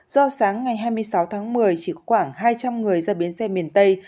do sáng ngày hai mươi sáu tháng một mươi chỉ khoảng hai trăm linh người ra biến xe miền tây